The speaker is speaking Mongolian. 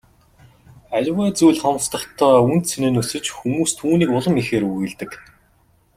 Аливаа зүйл хомсдохдоо үнэ цэн нь өсөж хүмүүс түүнийг улам ихээр үгүйлдэг.